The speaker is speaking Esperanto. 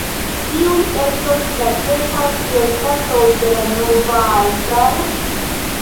Kiuj estos la ĉefaj prioritatoj de la nova estraro?